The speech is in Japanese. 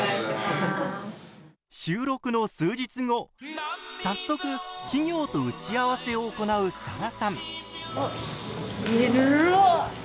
収録の数日後早速企業と打ち合わせを行うサラさん。